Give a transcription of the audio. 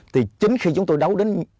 thì chính khi chúng tôi đấu đến